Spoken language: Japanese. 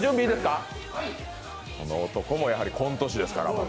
この男もコント師ですから。